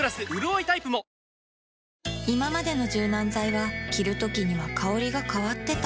いままでの柔軟剤は着るときには香りが変わってた